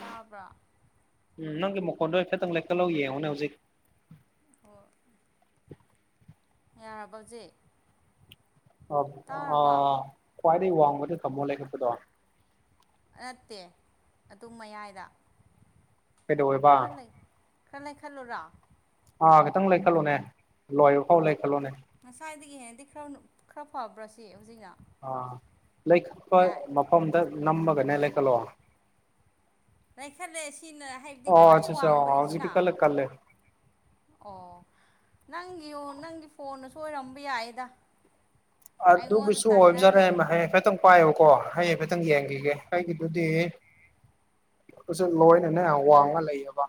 ꯇꯥꯕ꯭ꯔꯥ ꯎꯝ ꯅꯪꯒꯤ ꯃꯈꯣꯟꯗꯣ ꯍꯥꯏꯐꯦꯠꯇꯪ ꯂꯩꯈꯠꯂꯧ ꯌꯦꯡꯉꯨꯅꯦ ꯍꯧꯖꯤꯛ ꯍꯣ ꯌꯥꯔꯕ ꯖꯤ ꯑ ꯈ꯭ꯋꯥꯏꯗꯩ ꯋꯥꯡꯕꯗꯤ ꯊꯝꯃꯣ ꯂꯩꯈꯠꯄꯗꯣ ꯅꯠꯇꯦ ꯑꯗꯨꯝ ꯃꯌꯥꯏꯗ ꯀꯩꯗꯧꯋꯦꯕ ꯈꯔ ꯂꯩ ꯈꯔ ꯂꯩꯈꯠꯂꯨꯔꯥ ꯑꯥ ꯈꯤꯇꯪ ꯂꯩꯈꯠꯂꯣꯅꯦ ꯂꯣꯏꯕꯐꯥꯎ ꯂꯩꯈꯠꯂꯣꯅꯦ ꯉꯁꯥꯏꯗꯒꯤ ꯍꯦꯟꯅꯗꯤ ꯈꯔ ꯈꯔ ꯐꯕ꯭ꯔꯥ ꯁꯤ ꯍꯨꯖꯤꯛꯅ ꯑꯥ ꯂꯩꯈꯠꯄ ꯃꯐꯝꯗ ꯅꯝꯃꯒꯅꯦ ꯂꯩꯈꯠꯂꯣ ꯂꯥꯏꯈꯠꯂꯦ ꯁꯤꯅ ꯍꯥꯏꯕꯗꯤ ꯑꯣ ꯈ꯭ꯋꯥꯏ ꯁꯤꯁꯦ ꯋꯥꯡꯕꯅꯦ ꯍꯧꯖꯤꯛꯇꯤ ꯁꯤꯅ ꯀꯜꯂꯦ ꯀꯜꯂꯦ ꯑꯣ ꯅꯪ ꯌꯦꯡꯉꯣ ꯅꯪꯒꯤ ꯐꯣꯟꯅ ꯁꯣꯏꯔꯝꯕ ꯌꯥꯏꯑꯦꯗ ꯑꯗꯨꯒꯤꯁꯨ ꯑꯣꯏꯕꯖꯔꯦ ꯂꯩꯌꯦ ꯃ ꯍꯥꯌꯦꯡ ꯈꯇꯪ ꯄꯥꯏꯌꯣꯕꯀꯣ ꯑꯩ ꯍꯥꯏꯐꯦꯠꯇꯪ ꯌꯦꯡꯒꯤꯒꯦ ꯑꯩꯒꯤꯗꯨꯗꯤ ꯎꯖꯨ ꯂꯣꯏꯅꯅꯦ ꯋꯥꯡꯉ ꯂꯩꯌꯦꯕ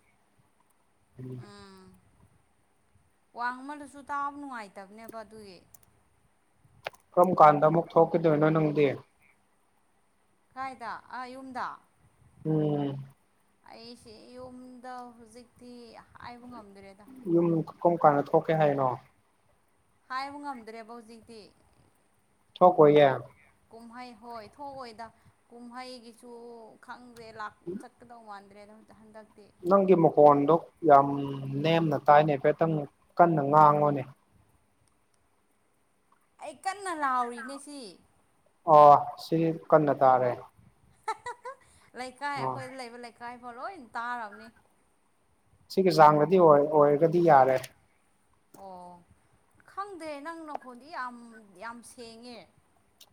ꯎꯝ ꯋꯥꯡꯃꯜꯂꯖꯨ ꯇꯥꯕ ꯅꯨꯡꯉꯥꯏꯇꯕꯅꯦꯕ ꯑꯗꯨꯒꯤ ꯀꯝ ꯀꯥꯟꯗ ꯑꯃꯨꯛ ꯊꯣꯛꯈꯤꯗꯣꯏꯅꯣ ꯅꯪꯗꯤ ꯀꯥꯏꯗ ꯑꯥ ꯌꯨꯝꯗ ꯎꯝ ꯑꯩꯁꯦ ꯌꯨꯝꯗ ꯍꯨꯖꯤꯛꯇꯤ ꯍꯥꯏꯕ ꯉꯝꯗ꯭ꯔꯦꯗ ꯌꯨꯝ ꯀꯝ ꯀꯥꯟꯗ ꯊꯣꯛꯀꯦ ꯍꯥꯏꯅꯣ ꯍꯥꯏꯕ ꯉꯝꯗ꯭ꯔꯦꯕ ꯍꯨꯖꯤꯛꯇꯤ ꯊꯣꯛ ꯀꯣꯏ ꯌꯦ ꯀꯨꯝꯍꯩ ꯍꯣꯏ ꯊꯣꯛꯑꯣꯏꯗ ꯀꯨꯝꯍꯩꯒꯤꯁꯨ ꯈꯪꯗ꯭ꯔꯦ ꯂꯥꯛ ꯆꯠꯀꯗꯧ ꯃꯥꯟꯗ꯭ꯔꯦꯗ ꯑꯝꯇ ꯍꯟꯗꯛꯇꯤ ꯅꯪꯒꯤ ꯃꯀꯣꯟꯗꯣ ꯌꯥꯝ ꯅꯦꯝꯅ ꯇꯥꯏꯅꯦ ꯍꯥꯏꯐꯦꯠꯇꯪ ꯀꯟꯅ ꯉꯥꯡꯉꯣꯅꯦ ꯑꯩ ꯀꯟꯅ ꯂꯥꯎꯔꯤꯅꯦ ꯁꯤ ꯑꯣ ꯁꯤꯒꯤ ꯀꯟꯅ ꯇꯥꯔꯦ ꯂꯩꯀꯥꯏ ꯑꯣ ꯑꯩꯈꯣꯏꯗ ꯂꯩꯕ ꯂꯩꯀꯥꯏꯐꯥꯎ ꯂꯣꯏ ꯇꯥꯔꯕꯅꯤ ꯁꯤꯒꯤ ꯆꯥꯡꯗꯗꯤ ꯑꯣꯏ ꯑꯣꯏꯔꯒꯗꯤ ꯌꯥꯔꯦ ꯑꯣ ꯈꯪꯗꯦ ꯅꯪ ꯅꯈꯣꯟꯗꯤ ꯌꯥꯝ ꯌꯥꯝ ꯁꯦꯡꯉꯦ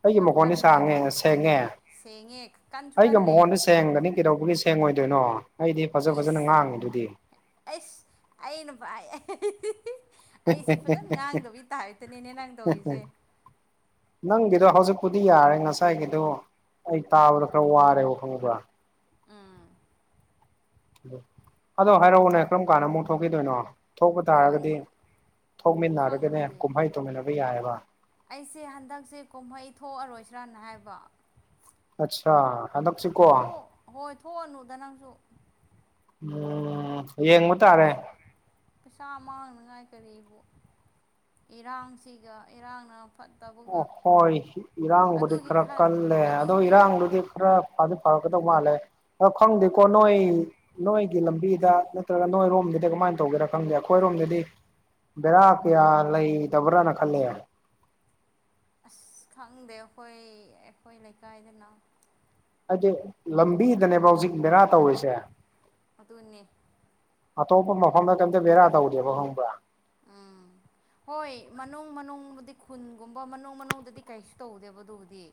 ꯑꯩꯒꯤ ꯌꯥꯝ ꯃꯈꯣꯟꯗꯤ ꯀꯜꯂꯦꯕ ꯁꯥꯡꯉꯦ ꯁꯦꯡꯉꯦ ꯁꯦꯡꯉꯦ ꯀꯟꯁꯨ ꯀꯜꯂꯦ ꯁꯦꯡꯗꯅꯤ ꯀꯩꯗꯧꯕꯒꯤ ꯁꯦꯡꯉꯣꯏꯗꯣꯏꯅꯣ ꯑꯩꯗꯤ ꯐꯖ ꯐꯖꯅ ꯏꯁ ꯉꯥꯡꯉꯤꯗꯨꯗꯤ ꯑꯩꯁ ꯑꯩꯅ ꯚꯥꯏ ꯏꯍ ꯑꯩꯁꯦ ꯐꯖꯅ ꯉꯥꯡꯗꯕꯩ ꯇꯥꯏꯞꯇꯅꯤꯅꯦ ꯅꯪ ꯇꯧꯔꯤꯖꯦ ꯅꯪꯒꯤꯗꯣ ꯍꯧꯖꯤꯛꯄꯨꯗꯤ ꯌꯥꯔꯦ ꯉꯁꯥꯏꯒꯤꯗꯣ ꯑꯩ ꯇꯥꯕꯗ ꯈꯔ ꯋꯥꯔꯦꯕ ꯈꯪꯕꯔ ꯎꯝ ꯑꯗꯣ ꯍꯥꯏꯔꯛꯎꯅꯦ ꯀꯔꯝ ꯀꯥꯟꯗ ꯑꯃꯨꯛ ꯊꯣꯛꯈꯤꯗꯣꯏꯅꯣ ꯊꯣꯛꯄ ꯈꯪ ꯇꯥꯔꯒꯗꯤ ꯊꯣꯛꯃꯤꯟꯅꯔꯒꯅꯦ ꯈꯪꯗꯦ ꯀꯨꯝꯍꯩ ꯇꯧꯃꯤꯟꯅꯕ ꯌꯥꯏꯑꯕ ꯑꯩꯁꯦ ꯍꯟꯗꯛꯁꯦ ꯀꯨꯝꯍꯩ ꯊꯣꯛꯑꯔꯣꯏꯁꯤ꯭ꯔꯅ ꯍꯥꯏꯕ ꯑꯠꯆꯥ ꯍꯟꯗꯛꯁꯤꯀꯣ ꯊꯣꯛ ꯍꯣꯏ ꯊꯣꯛꯑꯅꯨꯗ ꯅꯪꯁꯨ ꯎꯝ ꯌꯦꯡꯕ ꯑꯦꯁ ꯌꯦꯛ ꯇꯥꯔꯦ ꯇꯔꯦ ꯄꯩꯁꯥ ꯃꯥꯡꯅꯉꯥꯏ ꯀꯔꯤꯕꯨ ꯏꯔꯥꯡꯁꯤꯒ ꯏꯔꯥꯡꯅ ꯐꯠꯇꯕꯒ ꯑꯣꯍꯣꯏ ꯏꯔꯥꯡꯕꯨꯗꯤ ꯑꯗꯨꯒꯤ ꯈꯔ ꯀꯜꯂꯦ ꯑꯗꯣ ꯑꯗꯨꯒꯤ ꯏꯔꯥꯡꯗꯨꯗꯤ ꯈꯔ ꯐꯗꯤ ꯐꯔꯛꯀꯗꯧ ꯃꯥꯜꯂꯦ ꯑꯗꯣ ꯈꯪꯗꯦꯀꯣ ꯅꯣꯏ ꯅꯣꯏ ꯒꯤ ꯂꯝꯕꯤꯗ ꯅꯠꯇ꯭ꯔꯒ ꯅꯣꯏꯔꯣꯝꯗꯗꯤ ꯀꯃꯥꯏꯅ ꯇꯧꯒꯦꯔꯥ ꯈꯪꯗꯦ ꯑꯩꯈꯣꯏꯔꯣꯝꯗꯗꯤ ꯕꯦꯔꯥ ꯀꯌꯥ ꯂꯩꯇꯕ꯭ꯔꯥꯅ ꯈꯜꯂꯦ ꯑꯁ ꯈꯪꯗꯦ ꯑꯩꯈꯣꯏ ꯑꯩꯈꯣꯏ ꯂꯩꯀꯥꯏꯗꯅ ꯍꯥꯏꯗꯤ ꯂꯝꯕꯤꯗꯅꯦꯕ ꯍꯧꯖꯤꯛ ꯕꯦꯔꯥ ꯇꯧꯔꯤꯁꯦ ꯑꯗꯨꯅꯤ ꯑꯇꯣꯞꯄ ꯃꯐꯝꯗ ꯀꯩꯇ ꯕꯦꯔꯥ ꯇꯧꯗꯦꯕ ꯈꯪꯕ꯭ꯔꯥ ꯎꯝ ꯍꯣꯏ ꯃꯅꯨꯡ ꯃꯅꯨꯡꯕꯨꯗꯤ ꯈꯨꯟꯒꯨꯝꯕ ꯃꯅꯨꯡ ꯃꯅꯨꯡꯗꯗꯤ ꯀꯩꯁꯨ ꯇꯧꯗꯦꯕ ꯑꯗꯨꯕꯨꯗꯤ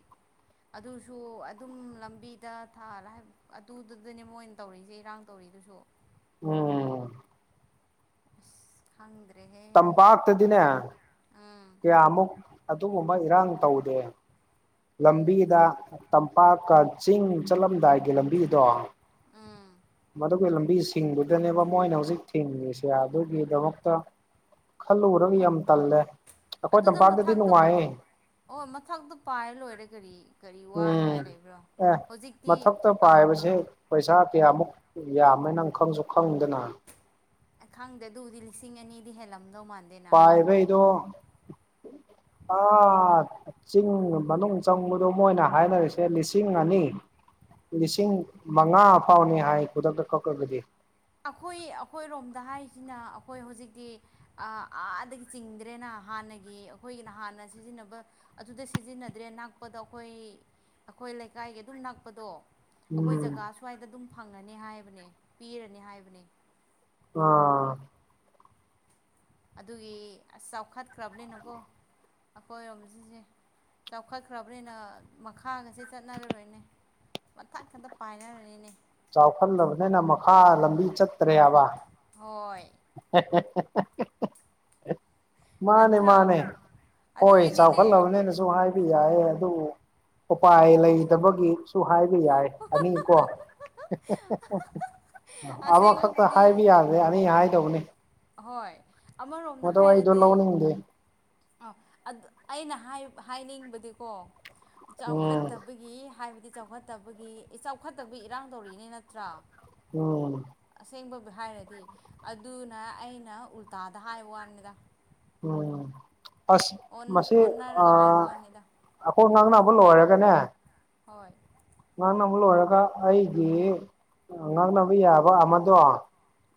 ꯑꯗꯨꯁꯨ ꯑꯗꯨꯝ ꯂꯝꯕꯤꯗ ꯊꯥ [unintelligible] ꯑꯗꯨꯗꯨꯗꯅꯦ ꯃꯣꯏꯅ ꯇꯧꯔꯤꯁꯦ ꯏꯔꯥꯡ ꯇꯧꯔꯤꯗꯨꯁꯨ ꯎꯝ ꯑꯁ ꯍꯪꯗ꯭ꯔꯦꯍꯦ ꯇꯝꯄꯥꯥꯛꯇꯗꯗꯤꯅꯦ ꯎꯝ ꯀꯌꯥꯃꯨꯛ ꯑꯗꯨꯒꯨꯝꯕ ꯏꯔꯥꯡ ꯇꯧꯗꯦ ꯎꯝ ꯂꯝꯕꯤꯗ ꯇꯝꯄꯥꯛꯀ ꯆꯤꯡ ꯆꯠꯂꯝꯗꯥꯏꯒꯤ ꯂꯝꯕꯤꯗꯣ ꯎꯝ ꯃꯗꯨꯒꯤ ꯂꯝꯕꯤ ꯁꯤꯡꯕꯗꯨꯅꯦꯕ ꯃꯣꯏꯅ ꯍꯧꯖꯤꯛ ꯊꯤꯡꯉꯁꯦ ꯑꯗꯨꯒꯤꯗꯃꯛꯇ [unintelligible] ꯈꯜꯂꯨꯔꯒ ꯌꯥꯝ ꯇꯜꯂꯦ ꯑꯩꯈꯣꯏ ꯑꯗꯨꯗ ꯇꯝꯄꯥꯛꯇꯗꯤ ꯃꯊꯛꯇ ꯅꯨꯡꯉꯥꯏꯌꯦ ꯄꯥꯏ ꯑꯣ ꯃꯊꯛꯇꯣ ꯄꯥꯏꯔ ꯂꯣꯏꯔꯦ ꯀꯔꯤ ꯀꯔꯤ ꯎꯝ ꯋꯥꯅꯤꯡꯉꯥꯏ ꯂꯩꯕ꯭ꯔꯣ ꯑꯦ ꯍꯧꯖꯤꯛꯇꯤ ꯃꯊꯛꯇ ꯑꯥ ꯄꯥꯏꯕꯁꯦ ꯑꯦ ꯄꯩꯁꯥ ꯀꯌꯥꯃꯨꯛ ꯌꯥꯝꯃꯦ ꯅꯪ ꯈꯪꯁꯨ ꯈꯪꯗꯅ ꯑꯦ ꯈꯥꯡꯗꯦ ꯑꯗꯨꯕꯨꯗꯤ ꯂꯤꯁꯤꯡ ꯑꯅꯤꯗꯤ ꯍꯦꯜꯂꯝꯗꯧ ꯃꯥꯜꯂꯦ ꯄꯥꯏꯕꯩꯗꯣ [unintelligible] ꯑ ꯆꯤꯡꯒ ꯃꯅꯨꯡ ꯆꯪꯕꯗꯣ ꯃꯣꯏꯅ ꯍꯥꯏꯅꯔꯤꯁꯦ ꯂꯤꯁꯤꯡ ꯑꯅꯤ ꯂꯤꯁꯤꯡ ꯃꯉꯥ ꯐꯥꯎꯅꯤ ꯍꯥꯏ ꯈꯨꯗꯛꯇ ꯀꯛꯈꯒꯗꯤ ꯑꯩꯈꯣꯏ ꯑꯩꯈꯣꯏꯔꯣꯝꯗ ꯍꯥꯏꯁꯤꯅ ꯑꯩꯈꯣꯏ ꯍꯧꯖꯤꯛꯇꯤ ꯑ ꯑꯥꯗꯒꯤ ꯆꯤꯡꯗ꯭ꯔꯦꯅ ꯍꯥꯟꯅꯒꯤ ꯑꯩꯈꯣꯏꯒꯤꯅ ꯍꯥꯟꯅ ꯁꯤꯖꯤꯟꯅꯕ ꯑꯗꯨꯗ ꯁꯤꯖꯤꯟꯅꯗ꯭ꯔꯦ ꯅꯛꯄꯗꯣ ꯑꯩꯈꯣꯏ ꯑꯩꯈꯣꯏ ꯂꯩꯀꯥꯏꯒꯤ ꯑꯗꯨꯝ ꯅꯛꯄꯗꯣ ꯑꯩꯈꯣꯏ ꯎꯝ ꯖꯒꯥ ꯁ꯭ꯋꯥꯏꯗ ꯑꯗꯨꯝ ꯐꯪꯉꯅꯤ ꯍꯥꯏꯕꯅꯦ ꯄꯤꯔꯅꯤ ꯍꯥꯏꯕꯅꯦ ꯑꯥ ꯑꯗꯨꯒꯤ ꯑꯁ ꯆꯥꯎꯈꯠꯈ꯭ꯔꯕꯅꯤꯅꯀꯣ ꯑꯩꯈꯣꯏꯔꯣꯝ ꯁꯤꯁꯦ ꯆꯥꯎꯈꯠꯈ꯭ꯔꯕꯅꯤꯅ ꯃꯈꯥꯒꯁꯦ ꯆꯠꯅꯔꯔꯣꯏꯅꯦ ꯃꯊꯥꯛ ꯈꯛꯇ ꯄꯥꯏꯔꯔꯅꯤꯅꯦ ꯆꯥꯎꯈꯠꯂꯕꯅꯤꯅ ꯃꯈꯥ ꯂꯝꯕꯤ ꯆꯠꯇ꯭ꯔꯦ ꯍꯥꯏꯕ ꯍꯣꯏ [unintelligible] ꯃꯥꯅꯦ ꯅꯠꯇ꯭ꯔꯣ ꯃꯥꯅꯦ ꯍꯣꯏ ꯑꯗꯨꯒꯤꯅꯤꯅꯦ ꯆꯥꯎꯈꯠꯂꯕꯅꯤꯅ ꯆꯨ ꯍꯥꯏꯕ ꯌꯥꯏꯌꯦ ꯑꯗꯨꯋꯨ ꯎꯄꯥꯏ ꯂꯩꯇꯕꯒꯤ ꯁꯨ ꯍꯥꯏ ꯌꯥꯏ ꯑꯅꯤꯀꯣ ꯑꯃꯈꯛꯇ ꯑꯁꯦꯡꯕꯕꯨꯗꯤ ꯍꯥꯏꯕ ꯌꯥꯔꯦ ꯑꯅꯤ ꯍꯥꯏꯗꯧꯕꯅꯤ ꯑꯍꯣꯏ ꯑꯃꯔꯣꯝꯗ ꯃꯗꯣ ꯑꯩꯗꯣ ꯍꯥꯏꯔꯗꯤ ꯂꯧꯅꯤꯡꯗꯦ ꯑ ꯑꯗꯨ ꯑꯩꯅ ꯍꯥꯏ ꯍꯥꯏꯅꯤꯡꯕꯗꯤꯀꯣ ꯎꯝ ꯆꯥꯎꯈꯠꯇꯕꯩ ꯕꯤ ꯍꯥꯏꯕꯗꯤ ꯆꯥꯎꯈꯠꯇꯕꯒꯤ ꯆꯥꯎꯈꯠꯇꯕꯩ ꯏꯔꯥꯡ ꯇꯧꯔꯛꯏꯅꯦ ꯅꯠꯇ꯭ꯔꯥ ꯉꯥꯎꯒꯅꯨ ꯑꯁꯦꯡꯕꯕꯨ ꯍꯥꯏꯔꯗꯤ ꯑꯗꯨꯅ ꯑꯩꯅ ꯎꯜꯇꯥꯗ ꯍꯥꯏꯕ ꯋꯥꯅꯤꯗ ꯎꯝ ꯑꯁ ꯑꯣꯟ ꯃꯁꯤ ꯑ ꯑꯣꯟꯅꯔꯒ ꯍꯥꯏꯕ ꯋꯥꯅꯤꯗ ꯑꯩꯈꯣꯏ ꯉꯥꯡꯅꯕ ꯂꯣꯏꯔꯒꯅꯦ ꯍꯣꯏ ꯉꯥꯡꯅꯕ ꯂꯣꯏꯔꯒ ꯑꯩꯒꯤ ꯉꯥꯡꯅꯕ ꯌꯥꯕ ꯑꯃꯗꯣ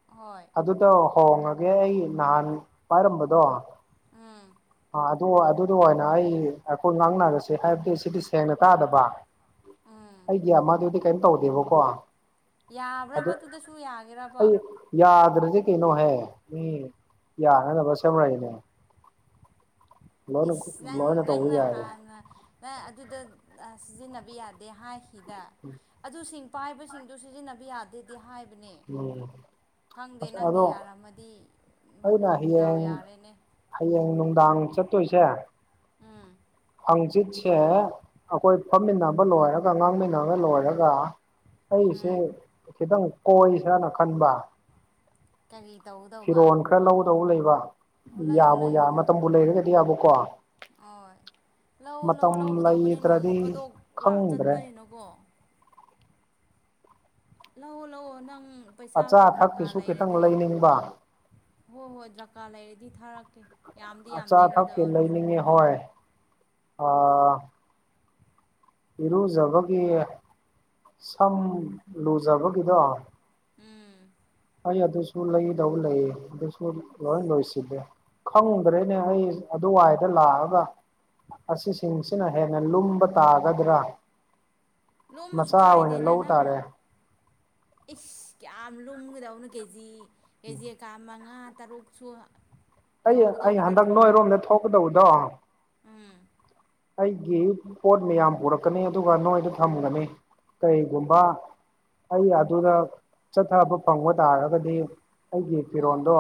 ꯍꯣꯏ ꯑꯗꯨꯗꯣ ꯍꯣꯡꯉꯒꯦ ꯑꯩ ꯅꯍꯥꯟ ꯄꯥꯏꯔꯝꯕꯗꯣ ꯎꯝ ꯑ ꯑꯗꯨ ꯑꯗꯨꯗ ꯑꯣꯏꯅ ꯑꯩ ꯑꯩꯈꯣꯏ ꯉꯥꯡꯅꯔꯁꯤ ꯆꯦ ꯍꯥꯏꯕꯗꯨꯨ ꯁꯤꯗꯤ ꯁꯦꯡꯅ ꯇꯥꯗꯕ ꯎꯝ ꯑꯩꯒꯤ ꯑꯃꯗꯨꯗꯤ ꯀꯩꯝ ꯇꯧꯗꯦꯕꯀꯣ ꯑꯗꯨ ꯌꯥꯕ꯭ꯔꯕ ꯗꯨꯗꯁꯨ ꯌꯥꯒꯦꯔ ꯑꯩ ꯌꯥꯗ꯭ꯔꯗꯤ ꯀꯩꯅꯣꯍꯦ ꯃꯤ ꯌꯥꯅꯅꯕ ꯁꯦꯝꯃꯛꯏꯅꯦ ꯏꯁ ꯅꯪ ꯂꯣꯏꯅ ꯇꯧꯕ ꯅꯪꯅ ꯌꯥꯏꯌꯦ ꯍꯥꯟꯅ ꯅ ꯑꯗꯨꯗ ꯑ ꯁꯤꯖꯤꯟꯅꯕ ꯌꯥꯗꯦ ꯍꯥꯏꯈꯤꯗ ꯑꯗꯨꯁꯤꯡ ꯄꯥꯏꯕꯁꯤꯡꯗꯨ ꯁꯤꯖꯤꯟꯅꯕ ꯌꯥꯗꯦꯗꯤ ꯍꯥꯏꯕꯅꯦ ꯎꯝ ꯈꯪꯗꯦ ꯑꯁ ꯅꯪꯒꯤ ꯑꯗꯣ ꯌꯥꯔꯝꯃꯗꯤ ꯑꯩꯅ ꯎꯝ ꯗꯥꯎ ꯍꯌꯦꯡ ꯌꯥꯔꯦꯅꯦ ꯍꯌꯦꯡ ꯅꯨꯡꯗꯥꯡ ꯆꯠꯇꯣꯏꯁꯦ ꯎꯝ ꯍꯪꯆꯤꯠꯁꯦ ꯑꯩꯈꯣꯏ ꯐꯝꯃꯤꯟꯅꯕ ꯂꯣꯏꯔꯒ ꯉꯥꯡꯃꯤꯟꯅꯕ ꯂꯣꯏꯔꯒ ꯑꯩꯁꯦ ꯎꯝ ꯈꯤꯗꯪ ꯀꯣꯏꯁꯤꯔꯅ ꯈꯟꯕ ꯀꯔꯤ ꯇꯧꯒꯗꯧꯕ ꯐꯤꯔꯣꯟ ꯈꯔ ꯂꯧꯒꯗꯧ ꯂꯩꯕ ꯑꯣ ꯂꯩꯌꯨ ꯌꯥꯕꯨ ꯌꯥ ꯃꯇꯝꯕꯨ ꯂꯩꯔꯒꯗꯤ ꯌꯥꯕꯨꯀꯣ ꯑꯣꯏ ꯂꯧꯋꯣ ꯂꯧ ꯂꯧꯒꯗꯧꯕꯅꯦ ꯅꯣꯡꯃ ꯂꯩꯇ꯭ꯔꯗꯤ ꯐꯗꯣꯛ ꯂꯥꯛ ꯈꯪꯗ꯭ꯔꯦ ꯆꯠꯄꯅꯤꯅꯀꯣ ꯂꯧꯋꯣ ꯂꯧꯋꯣ ꯅꯪ ꯑꯆꯥ ꯄꯩꯁꯥꯀ ꯗ꯭ꯔꯀꯥꯔ ꯑꯊꯛꯀꯤꯁꯨ ꯈꯤꯇꯪ ꯂꯩꯔꯗꯤ ꯂꯩꯅꯤꯡꯕ ꯍꯣꯏ ꯍꯣꯏ ꯗ꯭ꯔꯀꯥꯔ ꯂꯩꯔꯗꯤ ꯊꯥꯔꯛꯀꯦ ꯌꯥꯝꯗꯤ ꯑꯆꯥ ꯌꯥꯝꯗꯦ ꯑꯩꯉꯣꯟꯗ ꯑꯊꯛꯀꯤ ꯑꯣꯏꯔꯁꯨ ꯂꯩꯅꯤꯡꯉꯦ ꯍꯣꯏ ꯑ ꯏꯔꯨꯖꯕꯒꯤ ꯁꯝ ꯂꯨꯖꯕꯒꯤꯗꯣ ꯎꯝ ꯑꯩ ꯑꯗꯨꯁꯨ ꯂꯩꯒꯗꯧꯕ ꯂꯩꯌꯦ ꯑꯗꯨꯁꯨ ꯂꯣꯏ ꯂꯣꯏꯁꯤꯜꯂꯦ ꯈꯪꯗ꯭ꯔꯦꯅꯦ ꯑꯩ ꯑꯗꯨꯋꯥꯏꯗ ꯂꯥꯛꯑꯒ ꯑꯁꯤꯁꯤꯡꯁꯤꯅ ꯍꯦꯟꯅ ꯂꯨꯝꯕ ꯇꯥꯒꯗ꯭ꯔꯥ ꯂꯣꯝꯃꯁꯨ ꯃꯆꯥ ꯑꯣꯏꯅ ꯀꯥꯏꯗꯦꯅ ꯂꯧ ꯅꯪ ꯇꯥꯔꯦ ꯏꯁ ꯀꯌꯥꯝ ꯂꯨꯝꯒꯗꯧꯅꯣ ꯀꯦꯖꯤ ꯀꯦꯖꯤ ꯀꯥ ꯃꯉꯥ ꯇꯔꯨꯛꯁꯨ ꯑꯩ ꯑꯩ ꯌꯧꯒꯗꯧꯕ ꯍꯟꯗꯛ ꯅꯠꯇ꯭ꯔꯒ ꯅꯣꯏꯔꯣꯝꯗ ꯊꯣꯛꯀꯗꯧꯕꯗꯣ ꯎꯝ ꯑꯩꯒꯤ ꯄꯣꯠ ꯃꯌꯥꯝ ꯄꯨꯔꯛꯀꯅꯤ ꯑꯗꯨꯒ ꯅꯣꯏꯗ ꯊꯝꯒꯅꯤ ꯀꯔꯤꯒꯨꯝꯕ ꯑꯩ ꯑꯗꯨꯗ ꯆꯠꯊꯕ ꯐꯪꯕ ꯇꯥꯔꯒꯗꯤ ꯑꯩꯒꯤ ꯑꯣ ꯐꯤꯔꯣꯟꯜꯗꯣ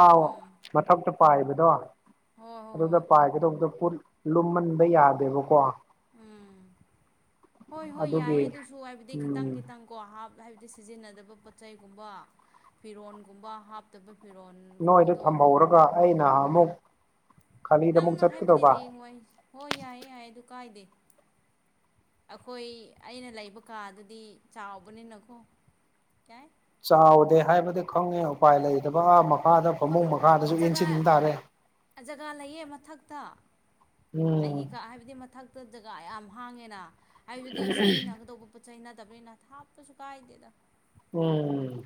ꯑꯥꯎ ꯎꯝ ꯃꯊꯛꯇ ꯄꯥꯏꯕꯗꯣ ꯍꯣꯏ ꯍꯣꯏ ꯑꯗꯨꯗ ꯍꯣꯏ ꯄꯥꯏꯒꯗꯧꯕꯗ ꯄꯣꯠ ꯂꯨꯝꯃꯟꯕ ꯌꯥꯗꯦꯕꯀꯣ ꯎꯝ ꯍꯣꯏ ꯍꯣꯏ ꯑꯗꯨꯒꯤ ꯌꯥꯏꯌꯦ ꯑꯗꯨꯁꯨ ꯍꯥꯏꯕꯗꯤ ꯈꯤꯇꯪ- ꯎꯝ ꯈꯤꯇꯪ ꯀꯣꯞ ꯍꯥꯞ ꯍꯥꯏꯕꯗꯤ ꯁꯤꯖꯤꯟꯅꯗꯕ ꯄꯣꯠꯆꯩꯒꯨꯝꯕ ꯐꯤꯔꯣꯟꯒꯨꯝꯕ ꯍꯥꯞꯇꯕ ꯐꯤꯔꯣꯟ ꯅꯣꯏꯗ ꯊꯝꯍꯧꯔꯒ ꯑꯩꯅ ꯑꯃꯨꯛ ꯈꯥꯂꯤꯗ ꯑꯃꯨꯛ ꯅꯪꯅꯣ ꯍꯥꯏꯕꯗꯤ ꯆꯠꯀꯗꯧꯕ ꯍꯌꯦꯡ ꯋꯥꯏ ꯍꯣꯏ ꯌꯥꯏꯌꯦ- ꯌꯥꯏꯌꯦ ꯑꯗꯨ ꯀꯥꯏꯗꯦ ꯑꯩꯈꯣꯏ ꯑꯩꯅ ꯂꯩꯕ ꯀꯥꯗꯨꯗꯤ ꯆꯥꯎꯕꯅꯤꯅꯀꯣ ꯌꯥꯏ ꯆꯥꯎꯗꯦ ꯍꯥꯏꯕꯗꯤ ꯈꯪꯉꯦ ꯎꯄꯥꯏ ꯂꯩꯇꯕ ꯑꯥ ꯃꯈꯥꯗ ꯐꯃꯨꯡ ꯃꯈꯥꯗꯁꯨ ꯖꯒꯥ ꯏꯟꯁꯤꯟꯕ ꯇꯥꯔꯦ ꯖꯒꯥ ꯂꯩꯌꯦ ꯃꯊꯛꯇ ꯎꯝ ꯑꯩꯒꯤ ꯀꯥ ꯍꯥꯏꯕꯗꯤ ꯃꯊꯛꯇ ꯗꯖꯒ ꯌꯥꯝ ꯍꯥꯡꯉꯦꯅ ꯍꯥꯏꯗꯨꯗꯤ ꯁꯤꯖꯤꯟꯅꯒꯗꯧꯕ ꯄꯣꯠ ꯆꯩꯩꯅꯗꯕꯅꯤꯅ ꯊꯥꯞꯄꯁꯨ ꯀꯥꯏꯗꯦꯗ ꯎꯝ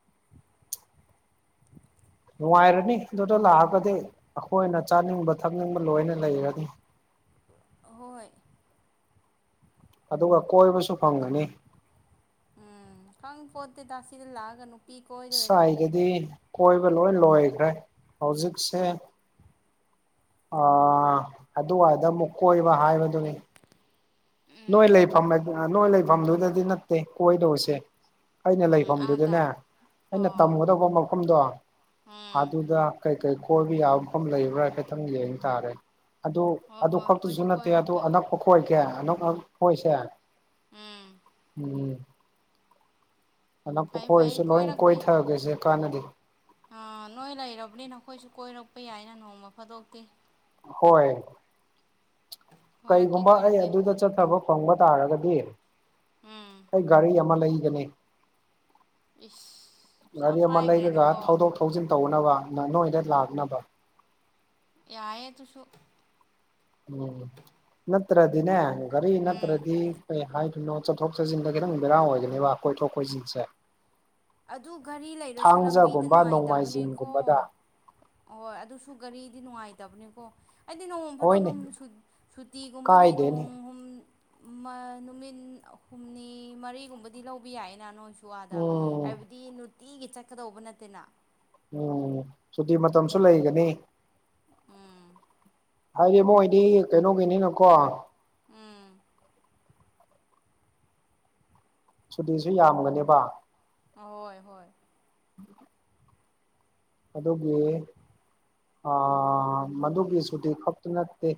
[inaudible] ꯅꯨꯡꯉꯥꯏꯔꯅꯤ ꯑꯗꯨꯗ ꯂꯥꯛꯑꯒꯗꯤ ꯑꯩꯈꯣꯏꯅ ꯆꯥꯅꯤꯡꯕ ꯊꯛꯅꯤꯡꯕ ꯂꯣꯏꯅ ꯂꯩꯔꯅꯤ ꯍꯣꯏ ꯑꯗꯨꯒ ꯀꯣꯏꯕꯁꯨ ꯐꯪꯉꯅꯤ ꯎꯝ ꯈꯪ ꯄꯣꯠꯇꯦꯗ ꯁꯤꯗ ꯂꯥꯛꯑꯒꯅꯨꯄꯤ ꯀꯣꯏꯗꯣꯏꯔ ꯗꯤ ꯀꯣꯏꯕ ꯂꯣꯏ ꯂꯣꯏꯈ꯭ꯔꯦ ꯍꯧꯖꯤꯛꯁꯦ ꯑ ꯑꯗꯨꯋꯥꯗ ꯑꯃꯨꯛ ꯀꯣꯏꯕ ꯍꯥꯏꯕꯗꯨꯅꯤ ꯅꯣꯏ ꯎꯝ ꯂꯩꯐꯝ ꯅꯣꯏ ꯂꯩꯐꯝꯗꯨꯗꯗꯤ ꯅꯠꯇꯦ ꯀꯣꯏꯗꯧꯁꯦ ꯑꯩꯅ ꯎꯝ ꯑꯥꯗ ꯂꯩꯐꯝꯗꯨꯗꯅꯦ ꯑꯩꯅ ꯑꯣ ꯇꯝꯒꯗꯧꯕ ꯃꯐꯝꯗꯣ ꯎꯝ ꯑꯗꯨꯗ ꯀꯩꯀꯩ ꯀꯣꯏꯕ ꯌꯥꯕ ꯃꯐꯝ ꯂꯩꯕ꯭ꯔꯥ ꯍꯥꯏꯐꯦꯠꯇꯪ ꯌꯦꯡ ꯇꯥꯔꯦ ꯑꯗꯨ ꯍꯣꯏ ꯑꯗꯨ ꯍꯣꯏ ꯈꯛꯇꯨꯁꯨ ꯑꯩꯈꯣꯏꯁꯨ ꯅꯠꯇꯦ ꯑꯗꯨ ꯀꯣꯏꯔꯛꯀꯦ ꯑꯅꯛꯄ ꯈꯣꯏꯒꯦ ꯑꯅꯛ ꯑ ꯈꯣꯏꯁꯦ ꯎꯝ ꯎꯝ ꯑꯅꯛꯄ ꯐꯩ ꯐꯩ ꯀꯣꯏꯔꯁꯨ ꯂꯣꯏ ꯀꯣꯏꯔꯛꯀꯦ ꯀꯣꯏꯊꯒꯦꯁꯦ ꯀꯥꯟꯅꯗꯦ ꯑꯥ ꯅꯣꯏ ꯂꯩꯔꯕꯅꯤꯅ ꯈꯣꯏꯁꯨ ꯀꯣꯏꯔꯛꯄ ꯌꯥꯏꯅ ꯅꯣꯡꯃ ꯐꯥꯗꯣꯛꯇꯤ ꯍꯣꯏ ꯀꯣꯏꯔꯛꯀꯦ ꯀꯩꯒꯨꯝꯕ ꯑꯩ ꯀꯣꯏꯔꯛꯀꯦ ꯑꯗꯨꯗ ꯆꯠꯇꯕ ꯐꯪꯕ ꯇꯥꯔꯒꯗꯤ ꯎꯝ ꯑꯩ ꯒꯥꯔꯤ ꯑꯃ ꯂꯩꯒꯅꯤ ꯏꯁ ꯆꯞ ꯒꯥꯔꯤ ꯑꯃ ꯂꯩꯔꯒ ꯐꯥꯏꯈ꯭ꯔꯦꯗꯀꯣ ꯊꯧꯗꯣꯛ ꯊꯧꯖꯤꯟ ꯇꯧꯅꯕ ꯅ ꯅꯣꯏꯗ ꯂꯥꯛꯅꯕ ꯌꯥꯏꯌꯦ ꯇꯨꯁꯨ ꯎꯝ ꯅꯠꯇ꯭ꯔꯗꯤꯅꯦ ꯒꯔꯤ ꯎꯝ ꯅꯠꯇ꯭ꯔꯗꯤ ꯀꯩ ꯍꯥꯏꯗꯣꯏꯅꯣ ꯆꯠꯊꯣꯛ ꯆꯠꯁꯤꯟꯗ ꯈꯤꯇꯪ ꯕꯦꯔꯥ ꯑꯣꯏꯒꯅꯤꯕ ꯀꯣꯏꯊꯣꯛ ꯀꯣꯏꯁꯤꯟꯁꯦ ꯑꯗꯨ ꯘꯔꯤ ꯂꯩꯔꯁꯨ ꯂꯝꯕꯤꯗ ꯊꯥꯡꯖꯒꯨꯝꯕ ꯅꯨꯡꯉꯥꯏꯇꯕꯅꯦꯈꯣ ꯅꯣꯡꯃꯥꯏꯖꯤꯡꯒꯨꯝꯕꯗ ꯑꯍꯣꯏ ꯑꯗꯨꯁꯨ ꯒꯥꯔꯤꯗꯤ ꯅꯨꯡꯉꯥꯏꯇꯕꯅꯦꯀꯣ ꯍꯥꯏꯗꯤ ꯅꯣꯡ ꯐꯥꯗꯣꯛ ꯍꯣꯏꯅꯦ ꯁꯨꯇꯤꯒꯨꯝꯕꯗꯤ ꯀꯥꯏꯗꯦꯅꯦ ꯅꯣꯡ ꯍꯨꯝ ꯃ ꯅꯨꯃꯤꯠ ꯍꯨꯝꯅꯤ ꯃꯔꯤꯒꯨꯝꯕꯗꯤ ꯂꯧꯕ ꯌꯥꯏꯌꯦꯅ ꯅꯣꯏꯁꯨ ꯑꯥꯗ ꯎꯝ ꯗꯤ ꯅꯨꯡꯇꯤꯒꯤ ꯆꯠꯀꯗꯧꯕ ꯅꯠꯇꯦꯅ ꯎꯝ ꯁꯨꯇꯤ ꯃꯇꯝꯁꯨ ꯂꯩꯒꯅꯤ ꯎꯝ ꯍꯥꯏꯗꯤ ꯃꯣꯏꯗꯤ ꯀꯩꯅꯣꯒꯤꯅꯤꯅꯀꯣ ꯎꯝ ꯁꯨꯇꯤꯁꯨ ꯌꯥꯝꯒꯅꯦꯕ ꯍꯣꯏ ꯍꯣꯏ [inaudible] ꯑꯗꯨꯒꯤ ꯃꯗꯨꯒꯤ ꯁꯨꯇꯤ ꯈꯛꯇ ꯅꯠꯇꯦ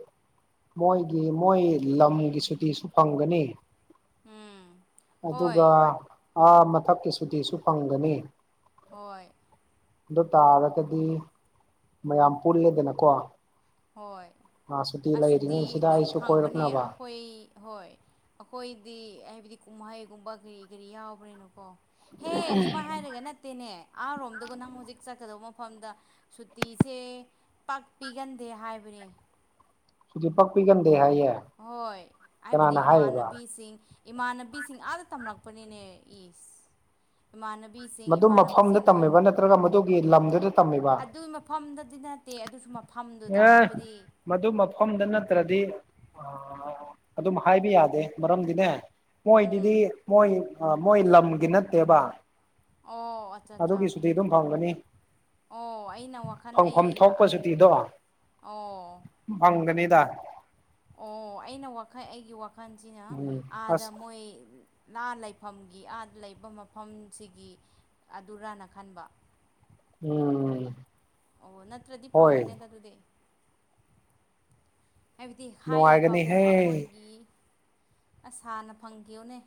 ꯃꯣꯏꯒꯤ ꯃꯣꯏ ꯂꯝꯒꯤ ꯁꯨꯇꯤꯁꯨ ꯐꯪꯒꯅꯤ ꯎꯝ ꯑꯗꯨꯒꯥ ꯍꯣꯏ ꯑꯥ ꯃꯊꯛꯀꯤ ꯁꯨꯇꯤꯁꯨ ꯐꯪꯒꯅꯤ ꯍꯣꯏ ꯑꯗꯨ ꯇꯥꯔꯒꯗꯤ ꯃꯌꯥꯝ ꯄꯨꯜꯂꯦꯗꯅꯀꯣ ꯍꯣꯏ ꯑ ꯁꯨꯇꯤ ꯂꯩꯔꯤꯉꯩꯁꯤꯗ ꯑꯗꯨꯝ ꯑꯩꯁꯨ ꯐꯪꯕꯅꯦ ꯀꯣꯏꯔꯛꯅꯕ ꯑꯩꯈꯣꯏ ꯍꯣꯏ ꯑꯩꯈꯣꯏꯗꯤ ꯍꯥꯏꯕꯗꯤ ꯀꯨꯝꯍꯩꯒꯨꯝꯕ ꯀꯔꯤ ꯀꯔꯤ ꯌꯥꯎꯕꯅꯦꯅꯀꯣ ꯍꯦ ꯁꯨꯃꯥꯏ ꯍꯥꯏꯔꯒ ꯅꯠꯇ ꯅꯠꯇꯦꯅꯦ ꯑꯥꯔꯣꯝꯗꯒ ꯅꯪ ꯍꯧꯖꯤꯛ ꯆꯠꯀꯗꯧꯕ ꯃꯐꯝꯗ ꯁꯨꯇꯤꯁꯦ ꯄꯥꯛꯄꯤꯒꯟ ꯗꯦ ꯍꯥꯏꯕꯅꯦ ꯇꯤ ꯄꯛꯄꯤꯒꯟꯗꯦ ꯍꯥꯏꯌꯦ ꯍꯣꯏ ꯍꯥꯏꯕꯗꯤ ꯀꯅꯥꯅ ꯍꯥꯏꯔꯤꯕ ꯏꯃꯥꯟꯅꯕꯤꯁꯤꯡ ꯏꯃꯥꯟꯅꯕꯤꯁꯤꯡ ꯑꯥꯗ ꯇꯝꯂꯛꯄꯅꯤꯅꯦ ꯏꯁ ꯏꯃꯥꯟꯅꯕꯤꯁꯤꯡ ꯃꯗꯨ ꯃꯐꯝꯗ ꯏꯃꯥꯟꯅꯕꯁꯤꯡꯅ ꯂꯣꯏꯅ ꯇꯝꯃꯤꯕ ꯅꯠꯇ꯭ꯔꯒ ꯃꯗꯨꯒꯤ ꯂꯝꯗꯨꯗ ꯇꯝꯃꯤꯕ ꯑꯗꯨ ꯃ ꯐꯝꯗꯗꯤ ꯅꯠꯇꯦ ꯑꯗꯨꯁꯨ ꯃ [unintelligible] ꯃꯗꯨ ꯃꯐꯝꯗ ꯅꯠꯇ꯭ꯔꯗꯤ ꯑꯗꯨꯝ ꯍꯥꯏꯕ ꯌꯥꯗꯦ ꯃꯔꯝꯗꯤꯅꯦ ꯎꯝ ꯃꯣꯏꯗꯨꯗꯤ ꯃꯣꯏ ꯃꯣꯏ ꯂꯝꯒꯤ ꯅꯠꯇꯦꯕ ꯑꯣ ꯑꯠꯆꯥ ꯑꯗꯨꯒꯤ ꯑꯠꯆꯥ ꯁꯨꯇꯤ ꯑꯗꯨꯝ ꯐꯪꯒꯅꯤ ꯑꯣ ꯑꯩꯅ ꯋꯥꯈꯜ ꯑꯩ ꯐꯪꯐꯝ ꯊꯣꯛꯄ ꯁꯨꯇꯤꯗꯣ ꯑꯣ ꯐꯪꯒꯅꯤꯗ ꯑꯣ ꯑꯩꯅ ꯋꯥꯈꯜ ꯑꯩꯒꯤ ꯋꯥꯈꯜꯁꯤꯅ ꯎꯝ ꯑꯥꯗ ꯑꯁ ꯃꯣꯏ ꯥ ꯂꯥ ꯂꯩꯐꯝꯒꯤ ꯑꯥ ꯂꯩꯕ ꯃꯐꯝꯁꯤꯒꯤ ꯑꯗꯨꯔꯅ ꯈꯟꯕ ꯎꯝ ꯑꯣ ꯅꯠꯇ꯭ꯔꯗꯤ ꯍꯣꯏ ꯐꯪꯒꯅꯦꯗ ꯑꯗꯨꯗꯤ ꯍꯥꯏꯕꯗꯤ ꯍꯥꯏꯌꯦꯕꯒꯨꯝ ꯅꯨꯡꯉꯥꯏꯒꯅꯤꯍꯦ ꯑꯩꯈꯣꯏꯒꯤ ꯑꯁ ꯍꯥꯟꯅ ꯐꯪꯈꯤꯌꯣꯅꯦ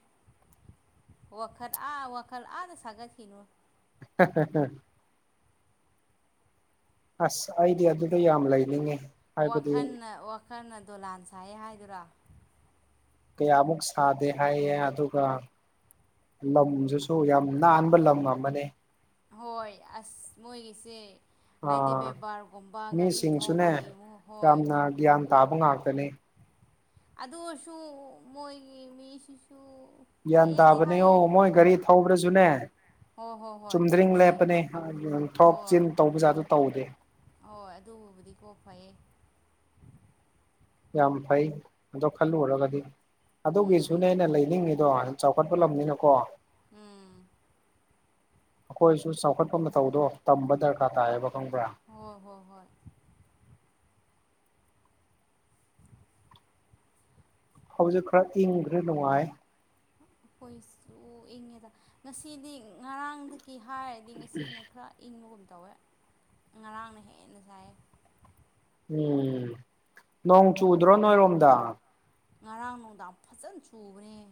ꯋꯥꯈꯜ ꯑꯥ ꯋꯥꯈꯜ ꯑꯥꯗ ꯁꯥꯒꯠꯈꯤꯅꯨ [unintelligible] ꯑꯁ ꯑꯩꯗꯤ ꯑꯗꯨꯗꯣ ꯌꯥꯝ ꯂꯩꯅꯤꯡꯉꯤ ꯍꯥꯏꯕꯗꯤ ꯋꯥꯈꯜꯅ ꯋꯥꯈꯜꯅ ꯗꯣꯂꯥꯟ ꯁꯥꯏꯌꯦ ꯍꯥꯏꯗꯨꯔꯥ ꯀꯌꯥꯃꯨꯛ ꯁꯥꯗꯦ ꯍꯥꯏꯌꯦ ꯑꯗꯨꯒ ꯂꯝꯗꯨꯁꯨ ꯌꯥꯝ ꯅꯥꯟꯕ ꯂꯝ ꯑꯃꯅꯦ ꯍꯣꯏ ꯑꯁ ꯃꯣꯏꯒꯤꯁꯦ ꯍꯥꯏꯗꯤ ꯑꯥ ꯕꯦꯕꯥꯔꯒꯨꯝꯕ ꯒꯥꯔꯤ ꯊꯧꯕꯒꯤ ꯃꯤꯁꯤꯡꯁꯨꯅꯦ ꯃꯨꯛ ꯍꯣꯏ ꯌꯥꯝꯅ ꯒ꯭ꯌꯥꯟ ꯇꯥꯕ ꯉꯥꯛꯇꯅꯦ ꯑꯗꯨ ꯑꯣꯏꯔꯁꯨ ꯃꯣꯏꯒꯤ ꯃꯤꯁꯤꯁꯨ ꯒ꯭ꯌꯥꯟ ꯐꯩꯌꯦꯗꯤ ꯇꯥꯕꯅꯦ ꯍꯥꯏꯌꯦ ꯑꯣ ꯃꯣꯏ ꯒꯥꯔꯤ ꯊꯧꯕ꯭ꯔꯖꯨꯅꯦ ꯍꯣ ꯍꯣ ꯆꯨꯝꯗ꯭ꯔꯤꯡ ꯂꯦꯞꯄꯅꯦ ꯊꯣꯛꯆꯤꯟ ꯇꯧꯕꯖꯥꯠꯇꯣ ꯇꯧꯗꯦ ꯍꯣ ꯑꯗꯨꯒꯕꯨꯗꯤ ꯀꯣ ꯐꯩꯌꯦ ꯌꯥꯝ ꯐꯩ ꯑꯗꯣ ꯈꯜꯂꯨꯔꯒꯗꯤ ꯎꯝ ꯑꯗꯨꯒꯤꯁꯨꯅꯦ ꯑꯩꯅ ꯂꯩꯅꯤꯡꯉꯤ ꯗꯣ ꯆꯥꯎꯈꯠꯄ ꯂꯝꯅꯤꯅꯀꯣ ꯎꯝ ꯑꯩꯈꯣꯏꯁꯨ ꯆꯥꯎꯈꯠꯄ ꯃꯇꯧꯗꯣ ꯇꯝꯕ ꯗꯔꯀꯥꯔ ꯇꯥꯏꯌꯦꯕ ꯈꯪꯕ꯭ꯔꯥ ꯍꯣ ꯍꯣ ꯍꯣꯏ ꯍꯧꯎꯖꯤꯛ ꯈꯔ ꯏꯪꯒ꯭ꯔꯦ ꯅꯨꯡꯉꯥꯏ ꯑꯩꯈꯣꯏꯁꯨ ꯏꯪꯉꯦꯗ ꯉꯁꯤꯗꯤ ꯉꯔꯥꯡꯗꯒꯤ ꯍꯥꯏꯔꯗꯤ ꯉꯁꯤꯅ ꯈꯔ ꯏꯪꯕꯒꯨꯝ ꯇꯧꯋꯦ ꯉꯔꯥꯡꯅ ꯍꯦꯟꯅ ꯁꯥꯏꯌꯦ ꯎꯝ ꯅꯣꯡ ꯆꯨꯗ꯭ꯔꯣ ꯅꯣꯏꯔꯣꯝꯗ ꯉꯔꯥꯡ ꯅꯨꯡꯗꯥꯡ ꯐꯠꯖꯅ ꯆꯨꯕꯅꯦ